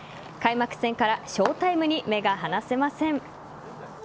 開幕戦からショータイムに目が離せません。